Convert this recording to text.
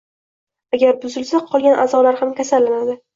Agar buzilsa, qolgan a’zolar ham kasallanadi.